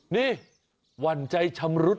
นี่หวั่นใจชำรุด